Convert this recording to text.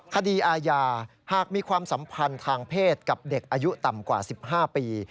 คดีอาญาหากมีความสัมพันธ์ทางเพศกับเด็กอายุต่ำกว่า๑๕ปี